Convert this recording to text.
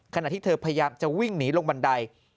ขณะที่เธอพยายามจะวิ่งหนีลงบันได